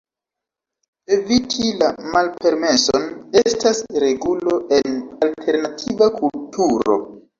Eviti la malpermeson estas regulo en alternativa kulturo.